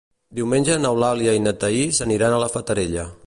Diumenge n'Eulàlia i na Thaís aniran a la Fatarella.